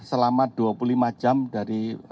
selama dua puluh lima jam dari